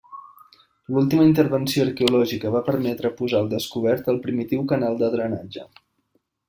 L'última intervenció arqueològica va permetre posar al descobert el primitiu canal de drenatge.